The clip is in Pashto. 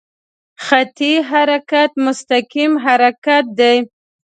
خطي حرکت مستقیم حرکت دی.